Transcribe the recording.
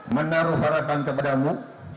menaruh harapan kepadamu